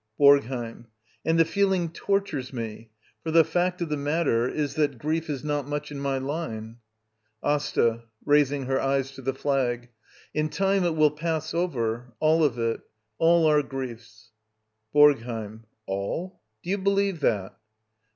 BoRGHEiM. And the feeling tortures me. For the fact of the matter is that grief is not much in my line. Asta. [Raises her eyes to the flag.] In time it will pass over — all of it. All our griefs. BoRGHEiM. All? Do you believe that?